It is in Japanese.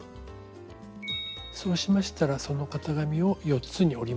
そうしましたらその型紙を４つに折ります。